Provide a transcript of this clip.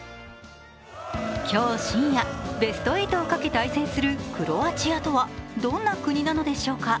今日深夜、ベスト８をかけ対戦するクロアチアとはどんな国なのでしょうか。